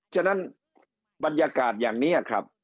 ฉะนั้นบรรยากาศอย่างนี้ครับ